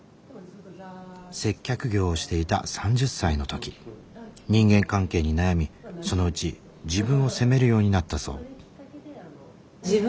接客業をしていた３０歳の時人間関係に悩みそのうち自分を責めるようになったそう。